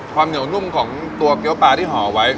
ความเหนียวนุ่มของตัวเกี้ยวปลาที่ห่อไว้